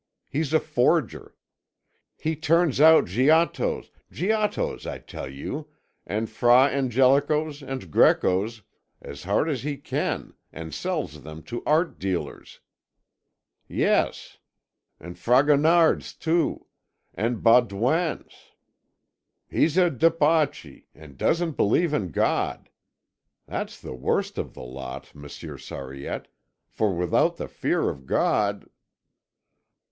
He's a forger. He turns out Giottos, Giottos, I tell you, and Fra Angelicos and Grecos, as hard as he can and sells them to art dealers yes, and Fragonards too, and Baudouins. He's a debauchee, and doesn't believe in God! That's the worst of the lot, Monsieur Sariette, for without the fear of God...."